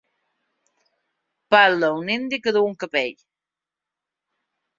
Parla un indi que duu un capell